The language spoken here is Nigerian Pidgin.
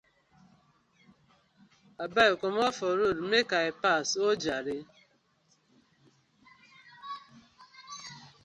Abeg komot for road mek I pass oh jare.